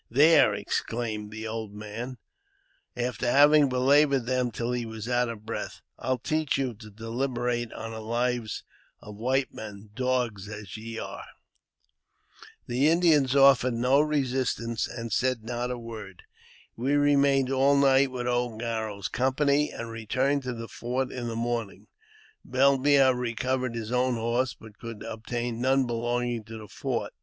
"There !" exclaimed the old man, after having belaboured them till he was out of breath, " I'll teach you to deliberate on the lives of white men, dogs as ye are !" The Indians offered no resistance, and said not a word. We remained all night with old Garro's company, and returned to the fort in the morning. Bellemaire recovered his own horses, but could obtain none belonging to the fort.